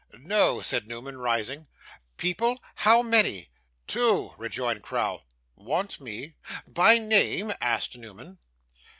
'No,' said Newman, rising. 'People? How many?' 'Two,' rejoined Crowl. 'Want me? By name?' asked Newman.